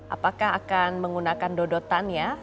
apakah akan menggunakan dodotan ya